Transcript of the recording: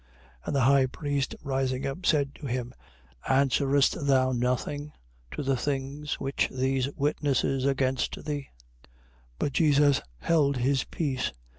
26:62. And the high priest rising up, said to him: Answerest thou nothing to the things which these witness against thee? 26:63. But Jesus held his peace.